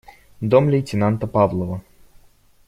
Дом лейтенанта Павлова.